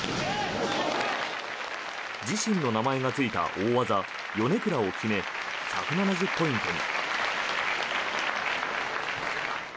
自身の名前がついた大技ヨネクラを決め１７０ポイントに。